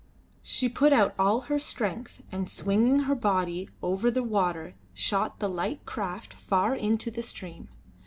She put out all her strength, and swinging her body over the water, shot the light craft far into the stream.